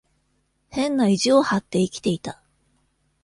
変な意地を張って生きていた。